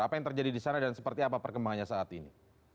apa yang terjadi di sana dan seperti apa perkembangannya saat ini